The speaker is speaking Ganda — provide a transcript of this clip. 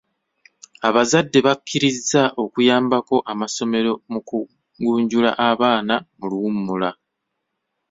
Abazadde bakkirizza okuyambako amasomero mu kugunjula abaana mu luwummula.